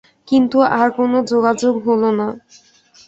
কিন্তু আর কোনো যোগাযোগ হল না।